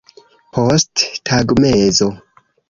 posttagmezo